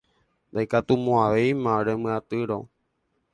Ndaikatumo'ãvéima remyatyrõ.